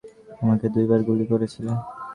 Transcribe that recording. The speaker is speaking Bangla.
আমাকে দুইবার গুলি করেছিলে!